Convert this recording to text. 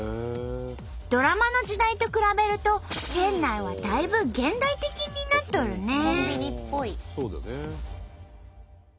ドラマの時代と比べると店内はだいぶ現代的になっとるね。